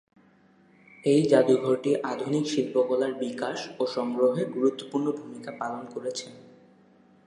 এই জাদুঘরটি আধুনিক শিল্পকলার বিকাশ ও সংগ্রহে গুরুত্বপূর্ণ ভূমিকা পালন করেছে।